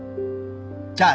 じゃああ